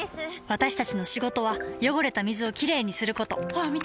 私たちの仕事は汚れた水をきれいにすることホアン見て！